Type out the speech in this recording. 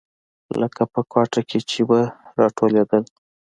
لکه په کوټه کښې چې به راټولېدل.